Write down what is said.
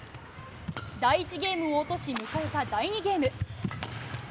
第１ゲームを落とし迎えた第２ゲーム。